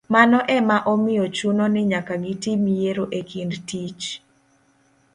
Mano ema omiyo chuno ni nyaka gitim yiero e kind tich